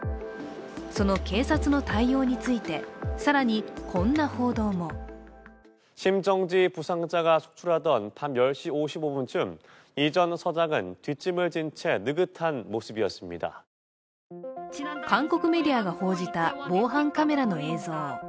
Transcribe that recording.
その警察の対応について更にこんな報道も韓国メディアが報じた防犯カメラの映像。